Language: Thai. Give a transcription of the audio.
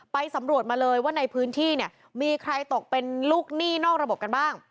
ไปสำรวจมาเลยว่าในพื้นที่เนี่ยมีใครตกเป็นลูกหนี้นอกระบบกันบ้าง